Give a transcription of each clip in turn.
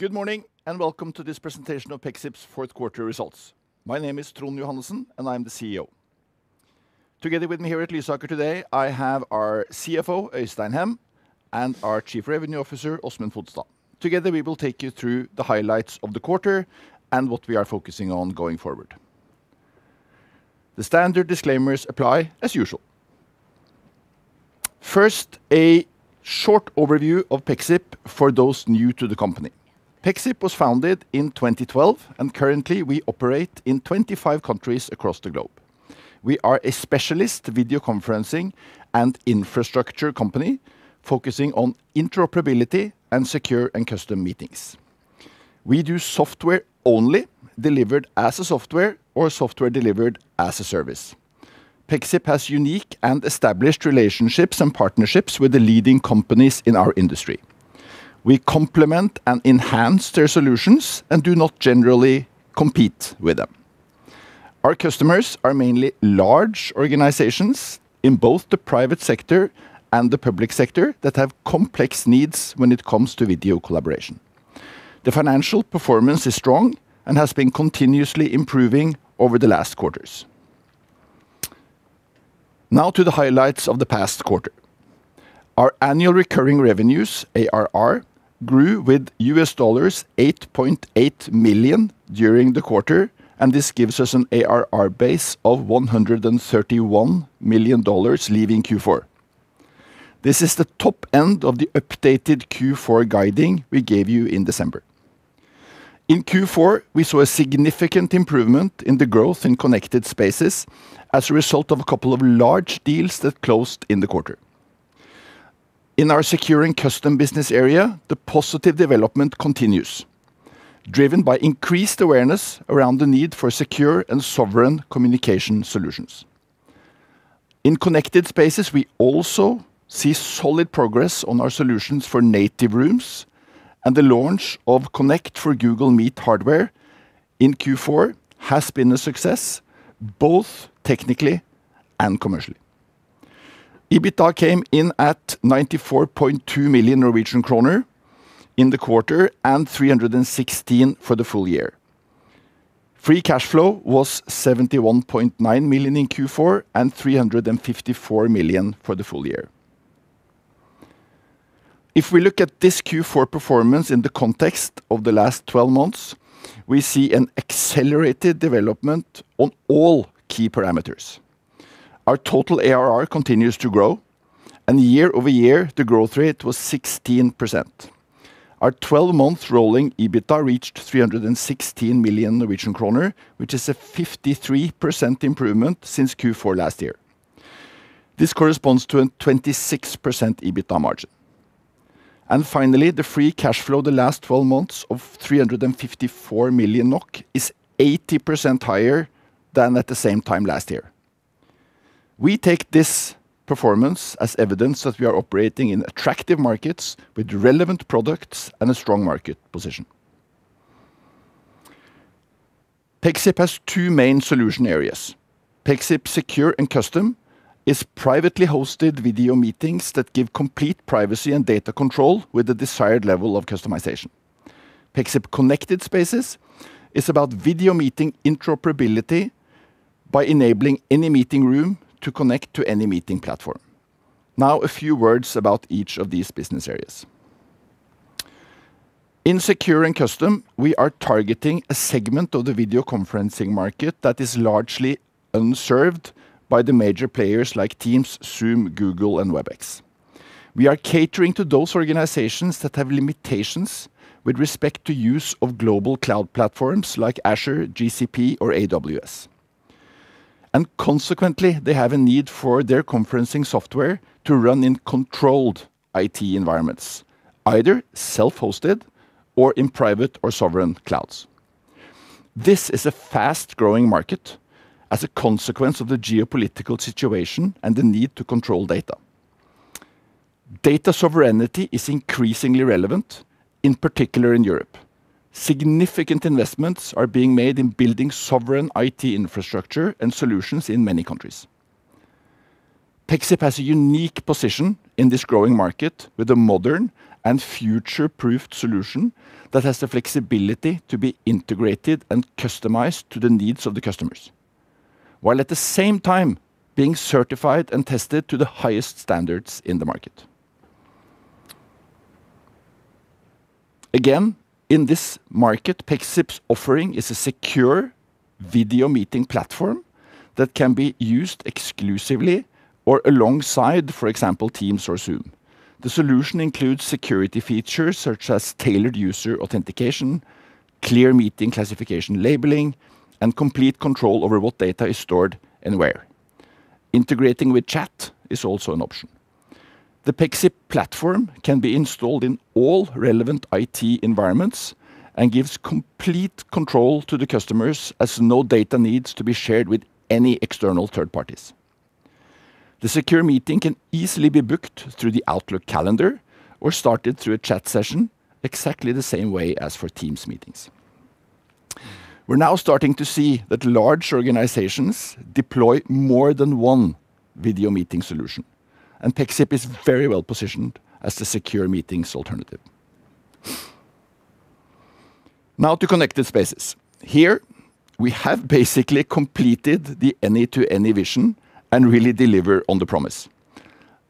Good morning, and welcome to this presentation of Pexip's Q4 results. My name is Trond Johannessen, and I'm the CEO. Together with me here at Lysaker today, I have our CFO, Øystein Hem, and our Chief Revenue Officer, Åsmund Fodstad. Together, we will take you through the highlights of the quarter and what we are focusing on going forward. The standard disclaimers apply as usual. First, a short overview of Pexip for those new to the company. Pexip was founded in 2012, and currently, we operate in 25 countries across the globe. We are a specialist video conferencing and infrastructure company focusing on interoperability and secure and custom meetings. We do software only delivered as a software or software delivered as a service. Pexip has unique and established relationships and partnerships with the leading companies in our industry. We complement and enhance their solutions and do not generally compete with them. Our customers are mainly large organizations in both the private sector and the public sector that have complex needs when it comes to video collaboration. The financial performance is strong and has been continuously improving over the last quarters. Now to the highlights of the past quarter. Our annual recurring revenues, ARR, grew with $8.8 million during the quarter, and this gives us an ARR base of $131 million leaving Q4. This is the top end of the updated Q4 guiding we gave you in December. In Q4, we saw a significant improvement in the growth in Connected Spaces as a result of a couple of large deals that closed in the quarter. In our Secure and Custom business area, the positive development continues, driven by increased awareness around the need for secure and sovereign communication solutions. In Connected Spaces, we also see solid progress on our solutions for native rooms, and the launch of Connect for Google Meet hardware in Q4 has been a success, both technically and commercially. EBITDA came in at 94.2 million Norwegian kroner in the quarter and 316 million for the full year. Free cash flow was 71.9 million in Q4 and 354 million for the full year. If we look at this Q4 performance in the context of the last twelve months, we see an accelerated development on all key parameters. Our total ARR continues to grow, and year-over-year, the growth rate was 16%. Our 12-month rolling EBITDA reached 316 million Norwegian kroner, which is a 53% improvement since Q4 last year. This corresponds to a 26% EBITDA margin. And finally, the free cash flow the last 12 months of 354 million NOK is 80% higher than at the same time last year. We take this performance as evidence that we are operating in attractive markets with relevant products and a strong market position. Pexip has two main solution areas. Pexip Secure and Custom is privately hosted video meetings that give complete privacy and data control with the desired level of customization. Pexip Connected Spaces is about video meeting interoperability by enabling any meeting room to connect to any meeting platform. Now, a few words about each of these business areas. In Secure and Custom, we are targeting a segment of the video conferencing market that is largely unserved by the major players like Teams, Zoom, Google, and Webex. We are catering to those organizations that have limitations with respect to use of global cloud platforms like Azure, GCP, or AWS. Consequently, they have a need for their conferencing software to run in controlled IT environments, either self-hosted or in private or sovereign clouds. This is a fast-growing market as a consequence of the geopolitical situation and the need to control data. Data sovereignty is increasingly relevant, in particular in Europe. Significant investments are being made in building sovereign IT infrastructure and solutions in many countries. Pexip has a unique position in this growing market with a modern and future-proofed solution that has the flexibility to be integrated and customized to the needs of the customers, while at the same time being certified and tested to the highest standards in the market. Again, in this market, Pexip's offering is a secure video meeting platform that can be used exclusively or alongside, for example, Teams or Zoom. The solution includes security features such as tailored user authentication, clear meeting classification labeling, and complete control over what data is stored and where. Integrating with chat is also an option. The Pexip platform can be installed in all relevant IT environments and gives complete control to the customers, as no data needs to be shared with any external third parties. The secure meeting can easily be booked through the Outlook calendar or started through a chat session, exactly the same way as for Teams meetings. We're now starting to see that large organizations deploy more than one video meeting solution, and Pexip is very well positioned as the secure meetings alternative. Now to Connected Spaces. Here, we have basically completed the any-to-any vision and really deliver on the promise.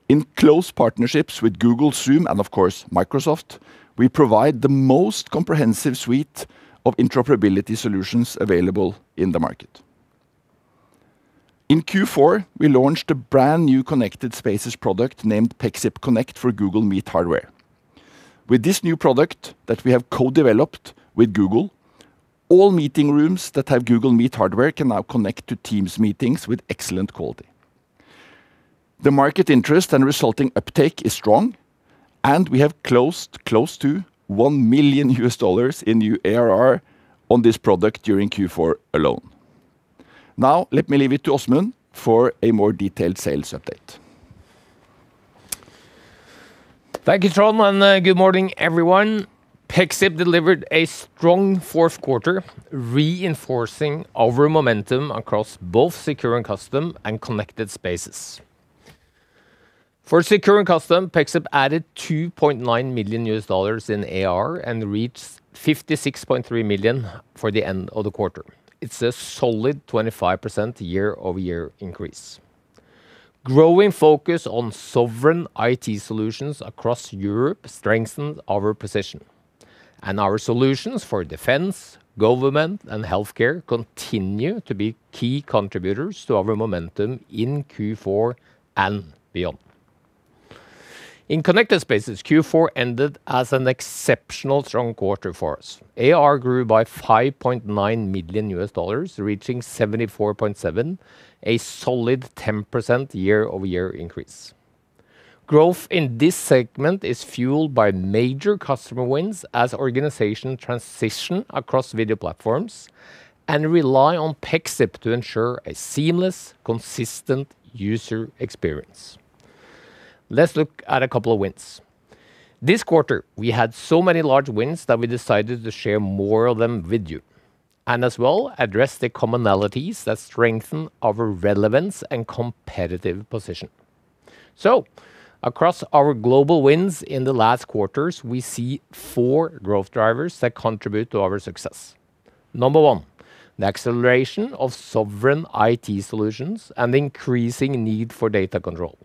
In close partnerships with Google, Zoom, and of course, Microsoft, we provide the most comprehensive suite of interoperability solutions available in the market. In Q4, we launched a brand-new Connected Spaces product named Pexip Connect for Google Meet hardware. With this new product that we have co-developed with Google, all meeting rooms that have Google Meet hardware can now connect to Teams meetings with excellent quality. The market interest and resulting uptake is strong, and we have closed close to $1 million in new ARR on this product during Q4 alone. Now, let me leave it to Åsmund for a more detailed sales update. Thank you, Trond, and good morning, everyone. Pexip delivered a strong Q4, reinforcing our momentum across both Secure and Custom and Connected Spaces. For Secure and Custom, Pexip added $2.9 million in ARR and reached $56.3 million for the end of the quarter. It's a solid 25% year-over-year increase. Growing focus on sovereign IT solutions across Europe strengthened our position, and our solutions for defense, government, and healthcare continue to be key contributors to our momentum in Q4 and beyond. In Connected Spaces, Q4 ended as an exceptional strong quarter for us. ARR grew by $5.9 million, reaching $74.7 million, a solid 10% year-over-year increase. Growth in this segment is fueled by major customer wins as organization transition across video platforms and rely on Pexip to ensure a seamless, consistent user experience. Let's look at a couple of wins. This quarter, we had so many large wins that we decided to share more of them with you, and address the commonalities that strengthen our relevance and competitive position. Across our global wins in the last quarters, we see four growth drivers that contribute to our success. Number one, the acceleration of sovereign IT solutions and the increasing need for data control.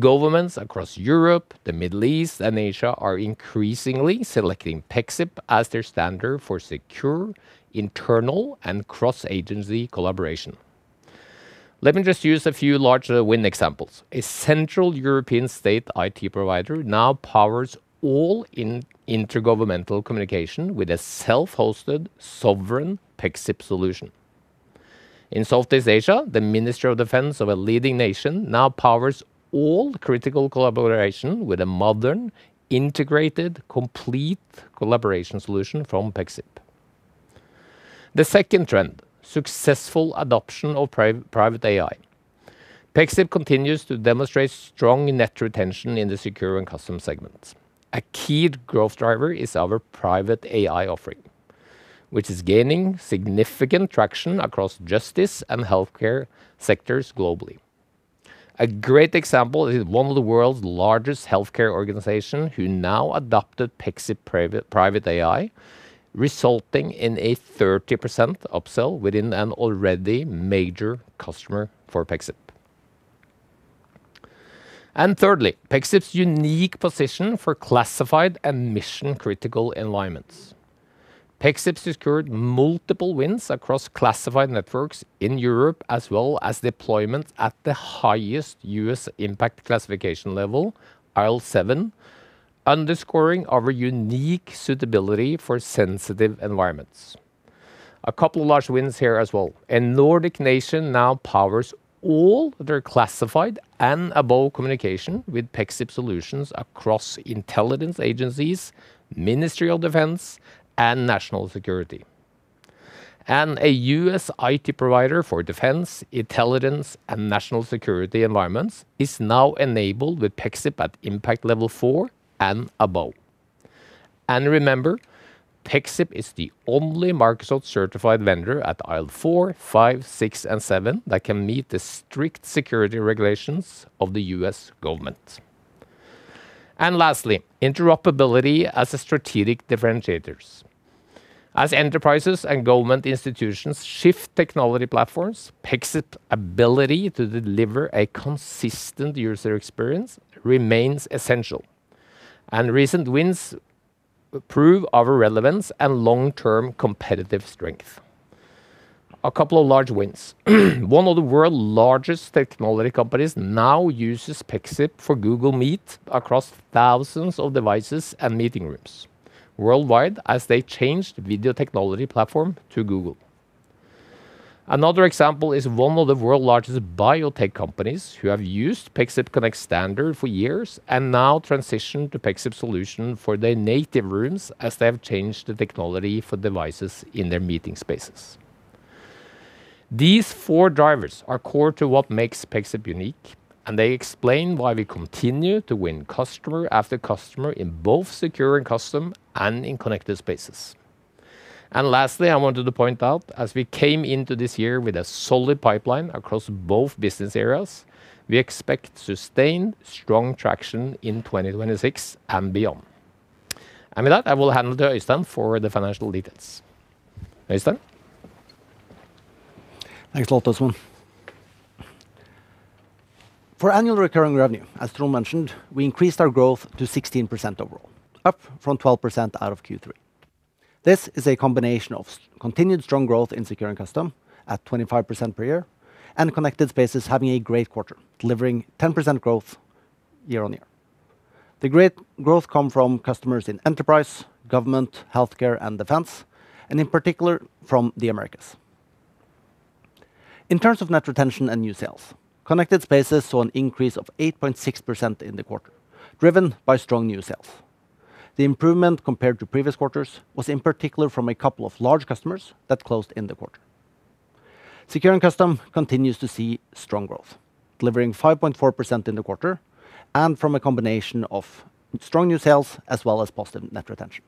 Governments across Europe, the Middle East, and Asia are increasingly selecting Pexip as their standard for secure, internal, and cross-agency collaboration. Let me just use a few large win examples. A central European state IT provider now powers all intergovernmental communication with a self-hosted, sovereign Pexip solution. In Southeast Asia, the Ministry of Defense of a leading nation now powers all critical collaboration with a modern, integrated, complete collaboration solution from Pexip. The second trend, successful adoption of private AI. Pexip continues to demonstrate strong net retention in the Secure and Custom segments. A key growth driver is our private AI offering, which is gaining significant traction across justice and healthcare sectors globally. A great example is one of the world's largest healthcare organization, who now adopted Pexip Private AI, resulting in a 30% upsell within an already major customer for Pexip. And thirdly, Pexip's unique position for classified and mission-critical environments. Pexip secured multiple wins across classified networks in Europe, as deployment at the highest US impact classification level, IL7, underscoring our unique suitability for sensitive environments. A couple of large wins here. A Nordic nation now powers all their classified and above communication with Pexip solutions across intelligence agencies, Ministry of Defense, and national security. A U.S. IT provider for defense, intelligence, and national security environments is now enabled with Pexip at Impact Level 4 and above. Remember, Pexip is the only Microsoft Certified vendor at IL4, 5, 6, and 7 that can meet the strict security regulations of the U.S. government. Lastly, interoperability as a strategic differentiators. As enterprises and government institutions shift technology platforms, Pexip ability to deliver a consistent user experience remains essential, and recent wins prove our relevance and long-term competitive strength. A couple of large wins. One of the world's largest technology companies now uses Pexip for Google Meet across thousands of devices and meeting rooms worldwide as they changed video technology platform to Google. Another example is one of the world's largest biotech companies who have used Pexip Connect Standard for years and now transition to Pexip solution for their native rooms as they have changed the technology for devices in their meeting spaces. These four drivers are core to what makes Pexip unique, and they explain why we continue to win customer after customer in both Secure and Custom and in Connected Spaces. Lastly, I wanted to point out, as we came into this year with a solid pipeline across both business areas, we expect to sustain strong traction in 2026 and beyond. With that, I will hand it to Øystein for the financial details. Øystein? Thanks a lot, Trond. For annual recurring revenue, as Trond mentioned, we increased our growth to 16% overall, up from 12% out of Q3. This is a combination of continued strong growth in Secure and Custom at 25% per year, and Connected Spaces having a great quarter, delivering 10% growth year on year. The great growth come from customers in enterprise, government, healthcare, and defense, and in particular, from the Americas. In terms of net retention and new sales, Connected Spaces saw an increase of 8.6% in the quarter, driven by strong new sales. The improvement compared to previous quarters was, in particular, from a couple of large customers that closed in the quarter. Secure and Custom continues to see strong growth, delivering 5.4% in the quarter, and from a combination of strong new sales as positive net retention.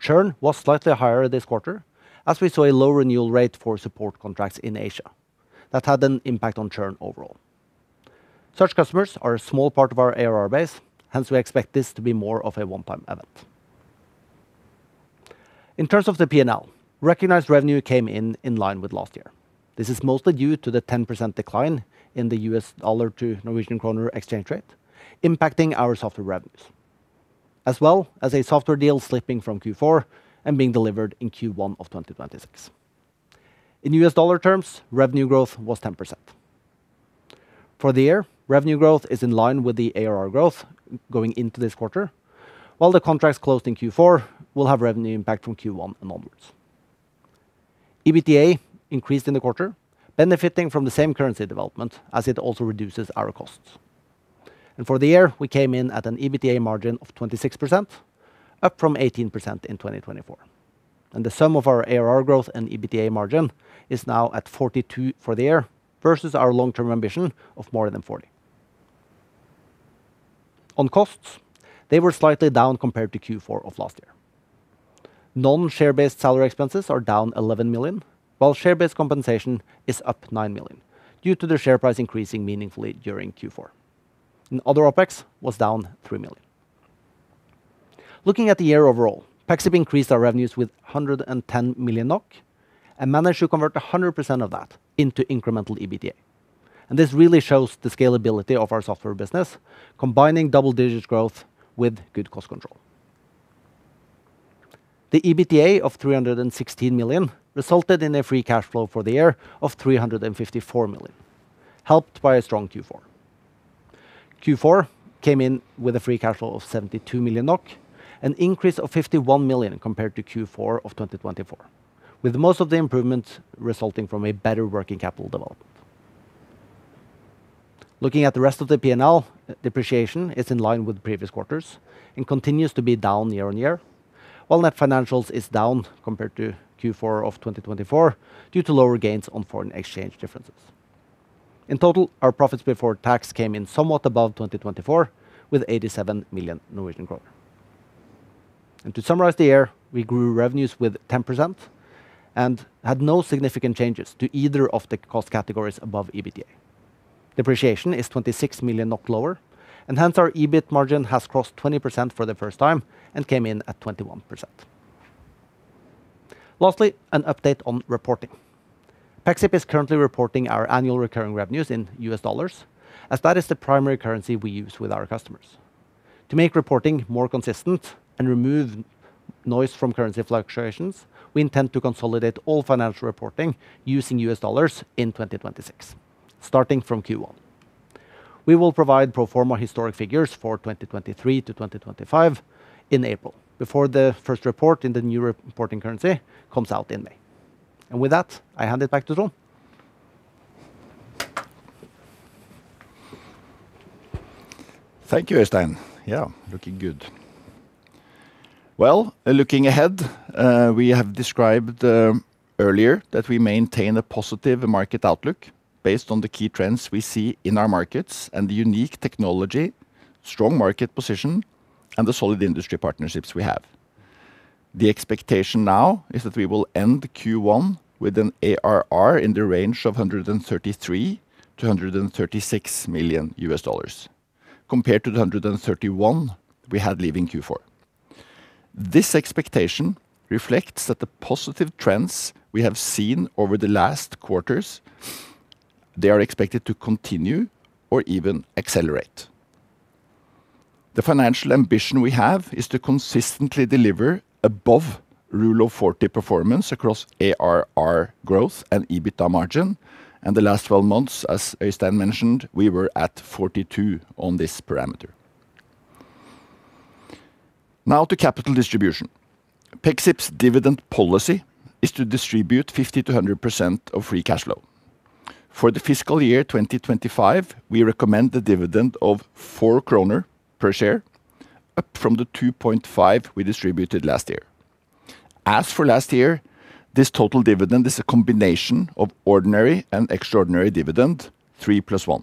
Churn was slightly higher this quarter, as we saw a low renewal rate for support contracts in Asia that had an impact on churn overall. Such customers are a small part of our ARR base, hence, we expect this to be more of a one-time event. In terms of the P&L, recognized revenue came in in line with last year. This is mostly due to the 10% decline in the US dollar to Norwegian kroner exchange rate, impacting our software revenues, as a software deal slipping from Q4 and being delivered in Q1 of 2026. In US dollar terms, revenue growth was 10%. For the year, revenue growth is in line with the ARR growth going into this quarter, while the contracts closed in Q4 will have revenue impact from Q1 and onwards. EBITDA increased in the quarter, benefiting from the same currency development, as it also reduces our costs. For the year, we came in at an EBITDA margin of 26%, up from 18% in 2024. The sum of our ARR growth and EBITDA margin is now at 42 for the year, versus our long-term ambition of more than 40. On costs, they were slightly down compared to Q4 of last year. Non-share-based salary expenses are down 11 million, while share-based compensation is up 9 million, due to the share price increasing meaningfully during Q4. Other OpEx was down 3 million. Looking at the year overall, Pexip increased our revenues with 110 million NOK and managed to convert 100% of that into incremental EBITDA. This really shows the scalability of our software business, combining double-digit growth with good cost control. The EBITDA of 316 million resulted in a free cash flow for the year of 354 million, helped by a strong Q4. Q4 came in with a free cash flow of 72 million NOK, an increase of 51 million compared to Q4 of 2024, with most of the improvements resulting from a better working capital development. Looking at the rest of the P&L, depreciation is in line with previous quarters and continues to be down year-on-year, while net financials is down compared to Q4 of 2024 due to lower gains on foreign exchange differences. In total, our profits before tax came in somewhat above 2024, with 87 million Norwegian kroner. To summarize the year, we grew revenues with 10% and had no significant changes to either of the cost categories above EBITDA. Depreciation is 26 million NOK lower, and hence, our EBIT margin has crossed 20% for the first time and came in at 21%. Lastly, an update on reporting. Pexip is currently reporting our annual recurring revenues in US dollars, as that is the primary currency we use with our customers. To make reporting more consistent and remove noise from currency fluctuations, we intend to consolidate all financial reporting using US dollars in 2026, starting from Q1. We will provide pro forma historic figures for 2023-2025 in April, before the first report in the new reporting currency comes out in May. With that, I hand it back to Trond. Thank you, Øystein. Looking good. Looking ahead, we have described earlier that we maintain a positive market outlook based on the key trends we see in our markets and the unique technology, strong market position, and the solid industry partnerships we have. The expectation now is that we will end Q1 with an ARR in the range of $133 million-$136 million, compared to the $131 million we had leaving Q4. This expectation reflects that the positive trends we have seen over the last quarters, they are expected to continue or even accelerate. The financial ambition we have is to consistently deliver above Rule of 40 performance across ARR growth and EBITDA margin. The last 12 months, as Øystein mentioned, we were at 42 on this parameter. Now to capital distribution. Pexip's dividend policy is to distribute 50%-100% of free cash flow. For the FY 2025, we recommend the dividend of 4 kroner per share, up from the 2.5 we distributed last year. As for last year, this total dividend is a combination of ordinary and extraordinary dividend, 3 + 1.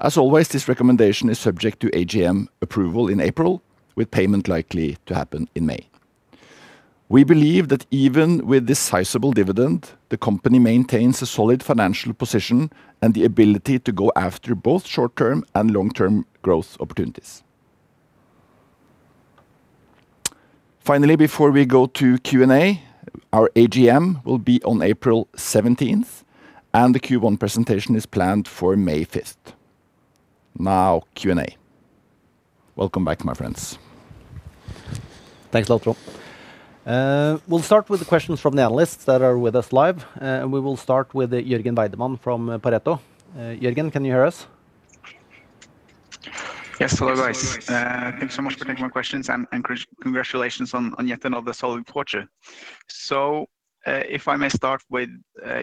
As always, this recommendation is subject to AGM approval in April, with payment likely to happen in May. We believe that even with this sizable dividend, the company maintains a solid financial position and the ability to go after both short-term and long-term growth opportunities. Finally, before we go to Q&A, our AGM will be on April seventeenth, and the Q1 presentation is planned for May fifth. Now, Q&A. Welcome back, my friends. Thanks a lot, Trond. We'll start with the questions from the analysts that are with us live, and we will start with Jørgen Weidemann from Pareto. Jørgen, can you hear us? Yes. Hello, guys. Thanks so much for taking my questions, and congratulations on yet another solid quarter. So, if I may start with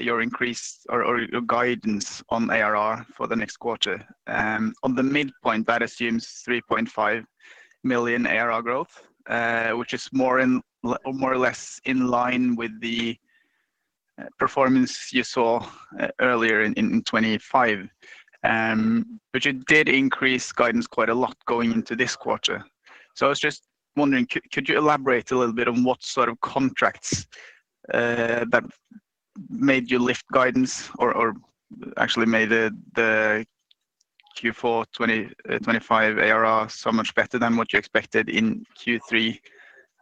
your increase or your guidance on ARR for the next quarter. On the midpoint, that assumes $3.5 million ARR growth, which is more or less in line with the performance you saw earlier in 2025. But you did increase guidance quite a lot going into this quarter. So I was just wondering, could you elaborate a little bit on what contracts that made you lift guidance or actually made the Q4 2025 ARR so much better than what you expected in Q3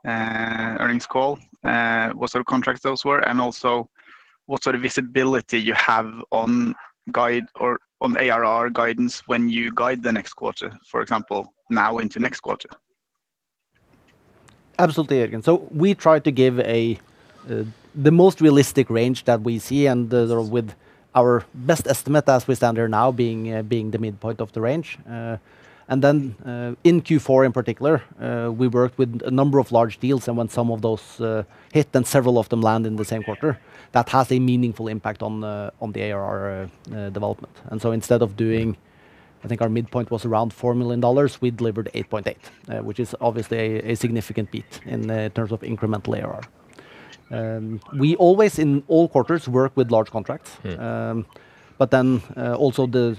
earnings call? What contracts those were, and also what sort of visibility you have on guide or on ARR guidance when you guide the next quarter, for example, now into next quarter? Absolutely, Jørgen. So we try to give the most realistic range that we see, and with our best estimate as we stand here now being the midpoint of the range. And then in Q4 in particular, we worked with a number of large deals, and when some of those hit, and several of them land in the same quarter, that has a meaningful impact on the ARR development. And so instead of doing, I think our midpoint was around $4 million, we delivered $8.8, which is obviously a significant beat in terms of incremental ARR. We always, in all quarters, work with large contracts. Mm. But then, also, the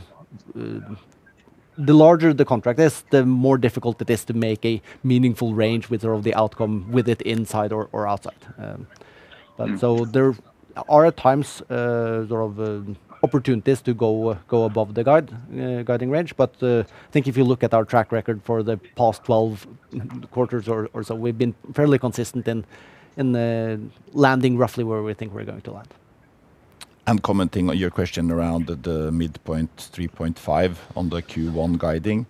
larger the contract is, the more difficult it is to make a meaningful range with all the outcome, with it inside or outside. Mm. But so there are, at times, opportunities to go above the guide, guiding range. But, I think if you look at our track record for the past 12 quarters or so, we've been fairly consistent in landing roughly where we think we're going to land. I'm commenting on your question around the midpoint, 3.5, on the Q1 guidance.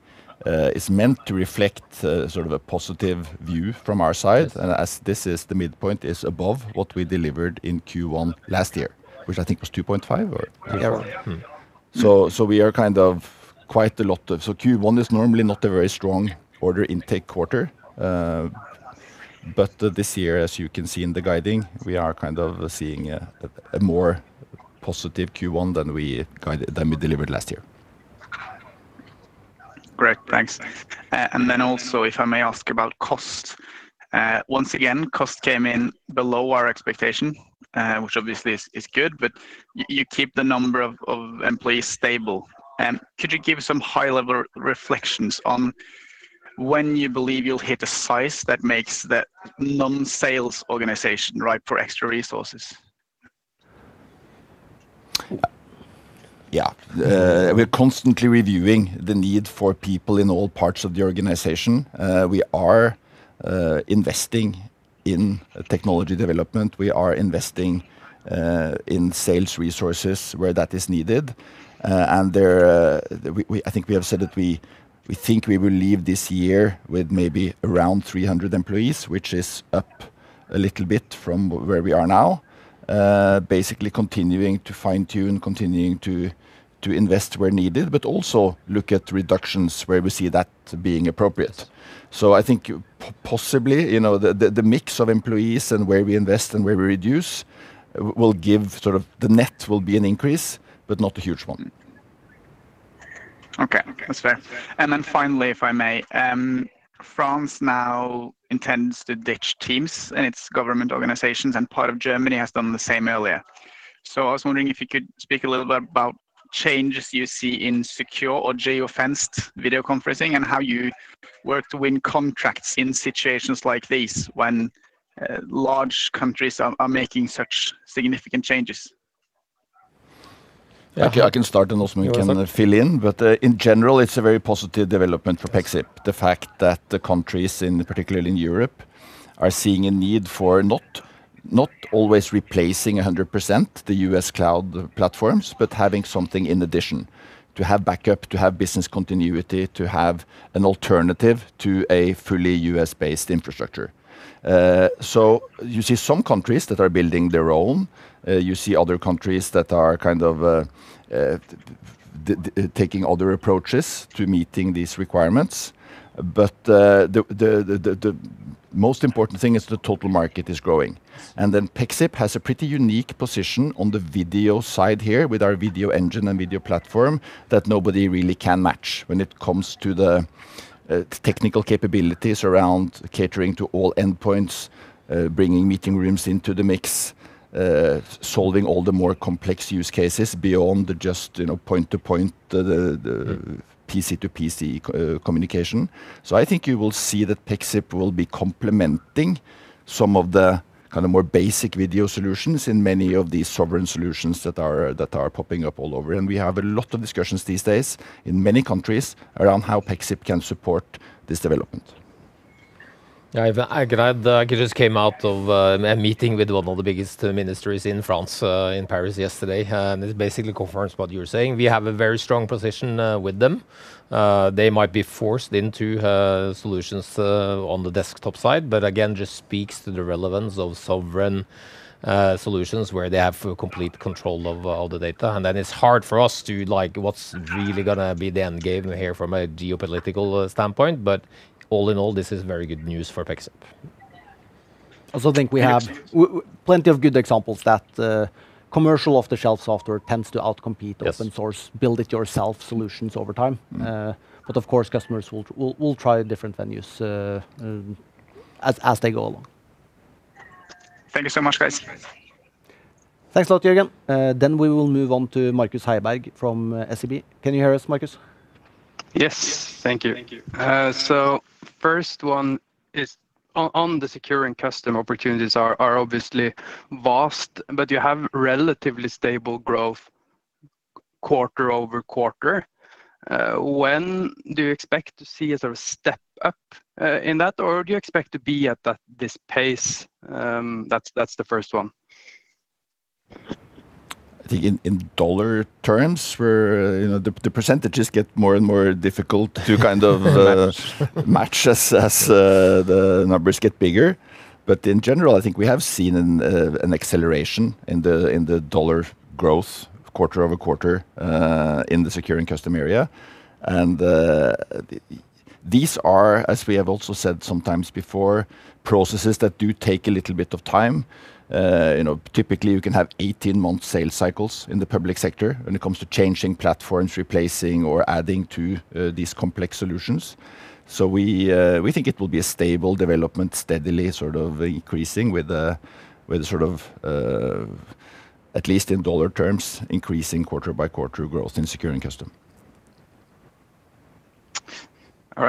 It's meant to reflect a positive view from our side. Yes. As this is the midpoint, is above what we delivered in Q1 last year, which I think was 2.5 or- Yeah. So Q1 is normally not a very strong order intake quarter, but this year, as you can see in the guidance, we are seeing a more positive Q1 than we guided, than we delivered last year. Great. Thanks. And then also, if I may ask about cost. Once again, cost came in below our expectation, which obviously is good, but you keep the number of employees stable. Could you give some high-level reflections on when you believe you'll hit a size that makes the non-sales organization ripe for extra resources? We're constantly reviewing the need for people in all parts of the organization. We are investing in technology development. We are investing in sales resources where that is needed. And there, we, I think we have said that we think we will leave this year with maybe around 300 employees, which is up a little bit from where we are now. Basically continuing to fine-tune, continuing to invest where needed, but also look at reductions where we see that being appropriate. So I think possibly, you know, the mix of employees and where we invest and where we reduce will give. The net will be an increase, but not a huge one. Okay. That's fair. And then finally, if I may, France now intends to ditch Teams in its government organizations, and part of Germany has done the same earlier. So I was wondering if you could speak a little bit about changes you see in secure or geo-fenced video conferencing, and how you work to win contracts in situations like these, when large countries are making such significant changes? I can start, and Øystein Hem- You want to. Can then fill in. But in general, it's a very positive development for Pexip. The fact that the countries, in particular in Europe, are seeing a need for not always replacing 100% the US cloud platforms, but having something in addition to have backup, to have business continuity, to have an alternative to a fully US-based infrastructure. So you see some countries that are building their own. You see other countries that are taking other approaches to meeting these requirements. But the most important thing is the total market is growing. Then Pexip has a pretty unique position on the video side here, with our video engine and video platform, that nobody really can match when it comes to the technical capabilities around catering to all endpoints, bringing meeting rooms into the mix, solving all the more complex use cases beyond just the, you know, point-to-point PC to PC communication. So I think you will see that Pexip will be complementing some of the more basic video solutions in many of these sovereign solutions that are popping up all over. And we have a lot of discussions these days in many countries around how Pexip can support this development. I'm glad. I just came out of a meeting with one of the biggest ministries in France, in Paris yesterday, and it basically confirms what you're saying. We have a very strong position with them. They might be forced into solutions on the desktop side, but again, just speaks to the relevance of sovereign solutions where they have complete control of all the data. And then it's hard for us to, like, what's really gonna be the end game here from a geopolitical standpoint, but all in all, this is very good news for Pexip. I also think we have plenty of good examples that commercial off-the-shelf software tends to outcompete- Yes Open source, build it yourself solutions over time. Mm. But of course, customers will try different venues, as they go along. Thank you so much, guys. Thanks a lot, Jørgen. Then we will move on to Markus Heiberg from SEB. Can you hear us, Markus? Yes. Thank you. Thank you. So first one is on the secure and custom opportunities are obviously vast, but you have relatively stable growth quarter over quarter. When do you expect to see a step up in that, or do you expect to be at that. This pace? That's the first one. I think in dollar terms, where you know the percentages get more and more difficult to. Yes Match as the numbers get bigger. But in general, I think we have seen an acceleration in the dollar growth quarter-over-quarter in the Secure and Custom area. And these are, as we have also said sometimes before, processes that do take a little bit of time. You know, typically you can have 18-month sales cycles in the public sector when it comes to changing platforms, replacing or adding to these complex solutions. So we think it will be a stable development, steadily increasing with at least in dollar terms, increasing quarter-by-quarter growth in Secure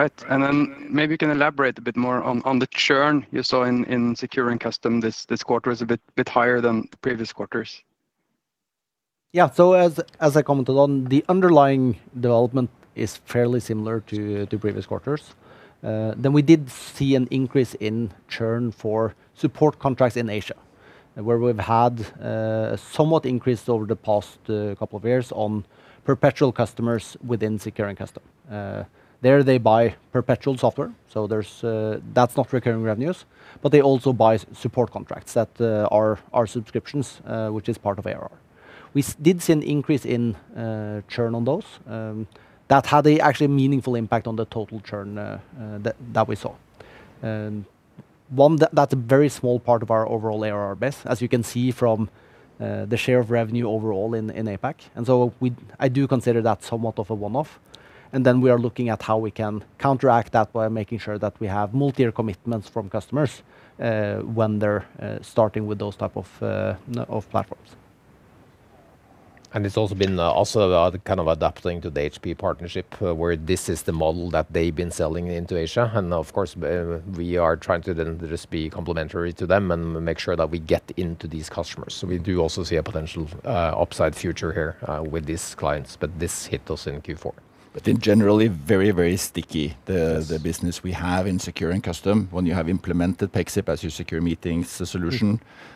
and Custom. All right. Then maybe you can elaborate a bit more on the churn you saw in Secure and Custom. This quarter is a bit higher than the previous quarters. So as I commented on, the underlying development is fairly similar to previous quarters. Then we did see an increase in churn for support contracts in Asia, where we've had somewhat increased over the past couple of years on perpetual customers within secure and custom. There, they buy perpetual software, so that's not recurring revenues, but they also buy support contracts that are subscriptions, which is part of ARR. We did see an increase in churn on those, that had actually meaningful impact on the total churn, that we saw. And that's a very small part of our overall ARR base, as you can see from the share of revenue overall in APAC. And so I do consider that somewhat of a one-off, and then we are looking at how we can counteract that by making sure that we have multi-year commitments from customers, when they're starting with those type of platforms. It's also been also adapting to the HP partnership, where this is the model that they've been selling into Asia. And of course, we are trying to then just be complementary to them and make sure that we get into these customers. So we do also see a potential upside future here with these clients, but this hit us in Q4. But in general, very, very sticky, the- Yes The business we have in Secure and Custom. When you have implemented Pexip as your Secure Meetings solution- Mm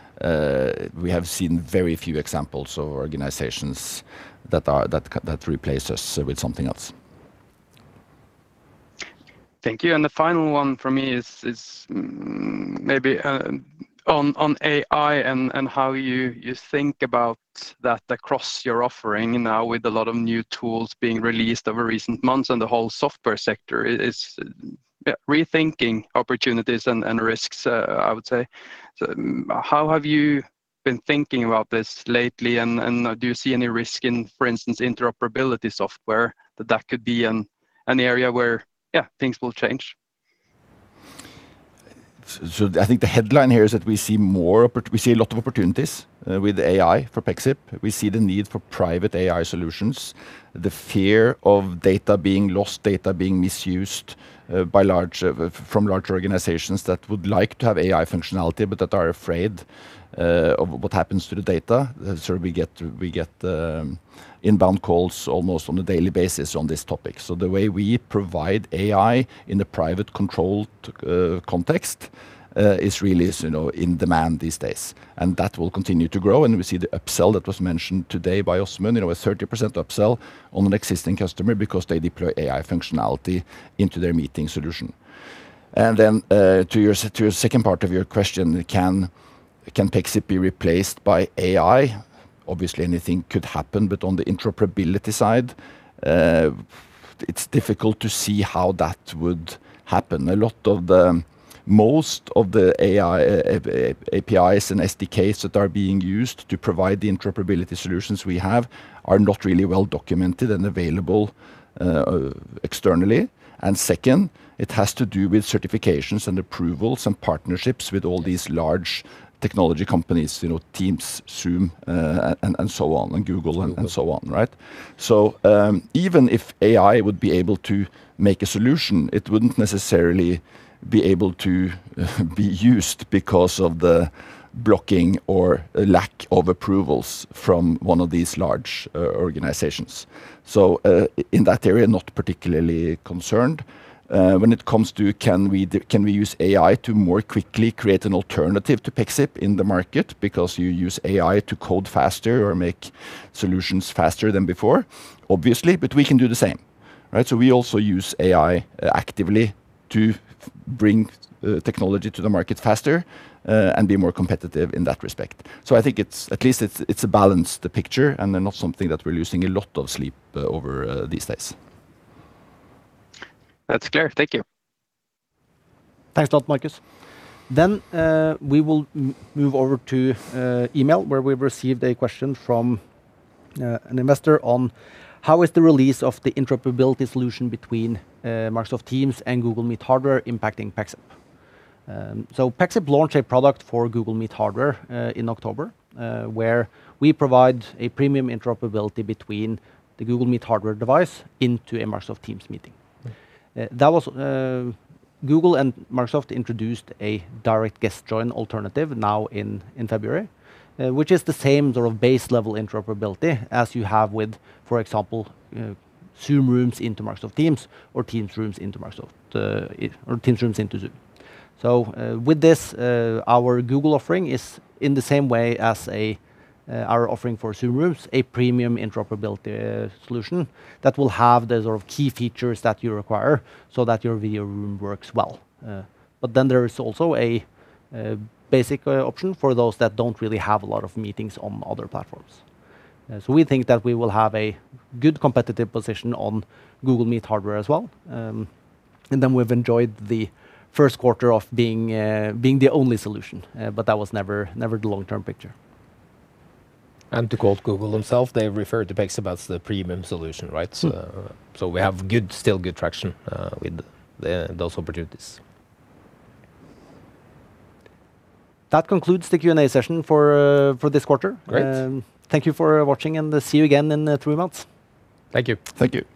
We have seen very few examples of organizations that replace us with something else. Thank you. The final one from me is maybe on AI and how you think about that across your offering now, with a lot of new tools being released over recent months, and the whole software sector is rethinking opportunities and risks, I would say. How have you been thinking about this lately, and do you see any risk in, for instance, interoperability software, that could be an area where, things will change? So I think the headline here is that we see a lot of opportunities with AI for Pexip. We see the need for private AI solutions, the fear of data being lost, data being misused from larger organizations that would like to have AI functionality but that are afraid of what happens to the data. So we get inbound calls almost on a daily basis on this topic. So the way we provide AI in a private, controlled context is really, as you know, in demand these days. And that will continue to grow, and we see the upsell that was mentioned today by Åsmund, you know, a 30% upsell on an existing customer because they deploy AI functionality into their meeting solution. And then, to your second part of your question: Can Pexip be replaced by AI? Obviously anything could happen, but on the interoperability side, it's difficult to see how that would happen. Most of the AI APIs and SDKs that are being used to provide the interoperability solutions we have are not really documented and available externally. And second, it has to do with certifications and approvals and partnerships with all these large technology companies, you know, Teams, Zoom, and so on, and Google- Google And so on, right? So, even if AI would be able to make a solution, it wouldn't necessarily be able to be used because of the blocking or lack of approvals from one of these large organizations. So, in that area, not particularly concerned. When it comes to can we use AI to more quickly create an alternative to Pexip in the market, because you use AI to code faster or make solutions faster than before? Obviously, but we can do the same, right? So we also use AI actively to bring technology to the market faster, and be more competitive in that respect. So I think it's, at least it's, it's a balanced picture, and then not something that we're losing a lot of sleep over these days. That's clear. Thank you. Thanks a lot, Markus. Then we will move over to email, where we've received a question from an investor on: "How is the release of the interoperability solution between Microsoft Teams and Google Meet hardware impacting Pexip?" So Pexip launched a product for Google Meet hardware in October, where we provide a premium interoperability between the Google Meet hardware device into a Microsoft Teams meeting. That was Google and Microsoft introduced a Direct Guest Join alternative now in February, which is the same base-level interoperability as you have with, for example, Zoom Rooms into Microsoft Teams, or Teams Rooms into Microsoft, or Teams Rooms into Zoom. So, with this, our Google offering is, in the same way as our offering for Zoom Rooms, a premium interoperability solution that will have the key features that you require so that your video room works well. But then there is also a basic option for those that don't really have a lot of meetings on other platforms. So we think that we will have a good competitive position on Google Meet hardware. And then we've enjoyed the Q1 of being the only solution, but that was never the long-term picture. To quote Google themselves, they referred to Pexip as the premium solution, right? Mm. So, we have good, still good traction with those opportunities. That concludes the Q&A session for, for this quarter. Great. Thank you for watching, and see you again in three months. Thank you. Thank you.